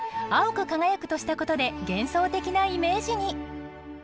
「青く輝く」としたことで幻想的なイメージに。